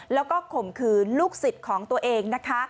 แล้วก็ข่มขืนลูกศิษย์ของตัวเองนะคะ